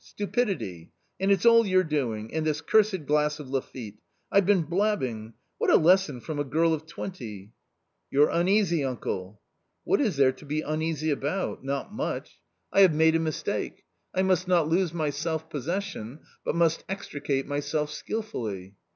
stupidity ! and it's all your doing, and this cursed glass of Lafitte ! I've been blabbing ! What a lesson from a girl of twenty ...."" You're uneasy, uncle !"" What is there to be uneasy about ? not much ! I have A COMMON STORY 139 made a mistake, I must not lose my self possession, but must extricate myself skilfully."